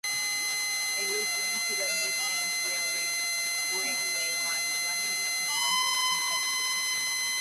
It was linked to the Midland Railway line running between London and Bedford.